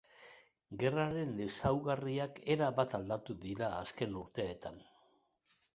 Gerraren ezaugarriak erabat aldatu dira azken urteetan.